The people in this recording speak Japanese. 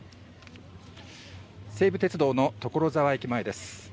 西武鉄道の所沢駅前です。